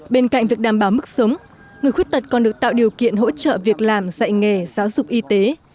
bên cạnh việc đảm bảo mức sống người khuyết tật còn được tạo điều kiện hỗ trợ việc làm dạy nghề giáo dục y tế